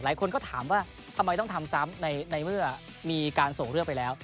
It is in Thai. หลายคนก็ถามว่าทำไมต้องทำซ้ำในเมื่อมีการส่งเรื่องไปแล้ว